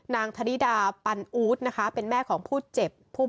นางธริดาปันอูธนะคะเป็นแม่ของผู้เจ็บผู้บาดเจ็บเนี่ย